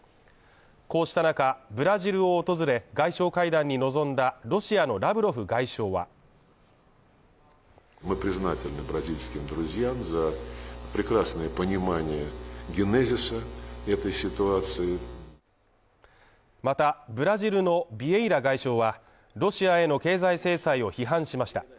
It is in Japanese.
こうした中、ブラジルを訪れ、外相会談に臨んだロシアのラブロフ外相はまた、ブラジルのビエイラ外相は、ロシアへの経済制裁を批判しました。